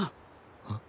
あっ。